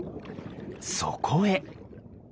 そこへ。